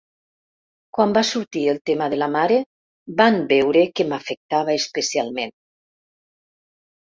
Quan va sortir el tema de la mare van veure que m’afectava especialment.